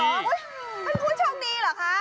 เฮ่ยมันพูดชอบดีหรอคะ